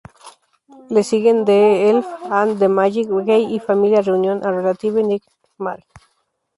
Le siguen: "The Elf and the Magic Key" y "Family Reunion: A Relative Nightmare".